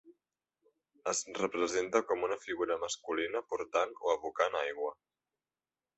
Es representa com una figura masculina portant o abocant aigua.